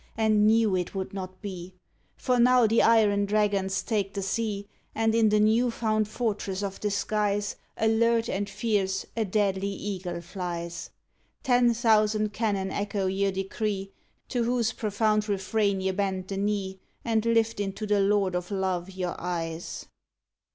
and knew it would not be ! For now the iron dragons take the sea, And in the new found fortress of the skies, Alert and fierce a deadly eagle flies. Ten thousand cannon echo your decree, To whose profound refrain ye bend the knee And lift into the Lord of Love your eyes.